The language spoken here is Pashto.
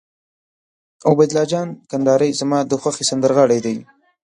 عبیدالله جان کندهاری زما د خوښې سندرغاړی دي.